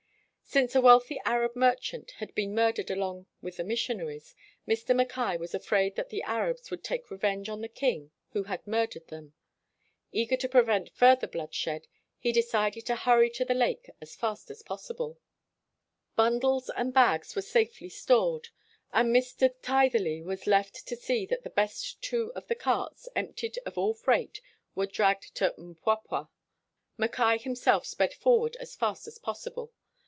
Since a wealthy Arab merchant had been murdered along with the missionaries, Mr. Mackay was afraid that the Arabs would take revenge on the king who had murdered them. Eager to prevent further bloodshed, he decided to hurry to the lake as fast as possible. 83 WHITE MAN OF WORK Bundles and bags were safely stored, and Mr. Tytherleigh was left to see that the best two of the carts, emptied of all freight, were dragged to Mpwapwa. Mackay himself sped forward as fast as possible.